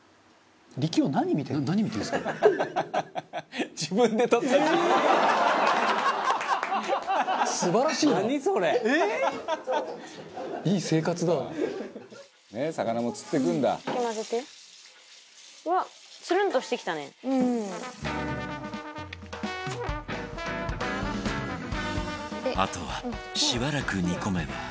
あとはしばらく煮込めば